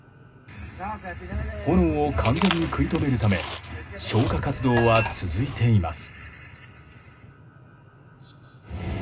炎を完全に食い止めるため消火活動は続いています。